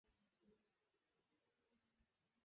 তাঁরই উপর পড়ল এলার ভার।